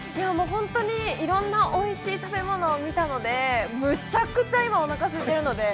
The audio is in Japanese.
◆本当にいろんなおいしい食べ物を見たのでむちゃくちゃ、今、おなかすいてるので。